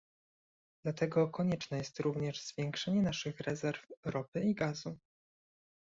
Dlatego konieczne jest również zwiększenie naszych rezerw ropy i gazu